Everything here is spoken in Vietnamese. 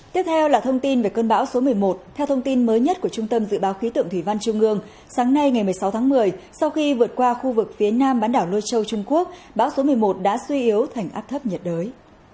tiếp theo là thông tin về cơn bão số một mươi một theo thông tin mới nhất của trung tâm dự báo khí tượng thủy văn trung ương sáng nay ngày một mươi sáu tháng một mươi sau khi vượt qua khu vực phía nam bán đảo lôi châu trung quốc bão số một mươi một đã suy yếu thành áp thấp nhiệt đới